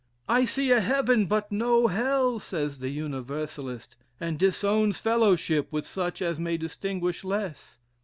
I see a heaven but no hell, says the Universalist, and disowns fellowship with such as may distinguish less.